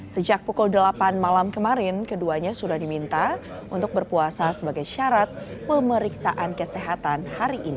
sejak pukul delapan malam kemarin keduanya sudah diminta untuk berpuasa sebagai syarat pemeriksaan kesehatan hari ini